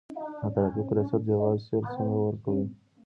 د ترافیکو ریاست جواز سیر څنګه ورکوي؟